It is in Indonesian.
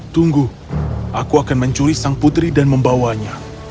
tunggu aku akan mencuri sang putri dan membawanya